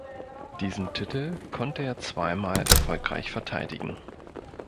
Diesen Titel konnte er zweimal erfolgreich verteidigen.